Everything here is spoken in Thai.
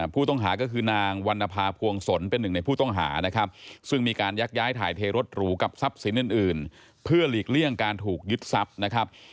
ผู้ต้องหาก็คือนางวรรณภาพวงศลเป็นหนึ่งในผู้ต้องหานะครับซึ่งมีการยักย้ายถ่ายเทรถหรูกับทรัพย์สินอื่นเพื่อหลีกเลี่ยงการถูกยึดทรัพย์นะครับ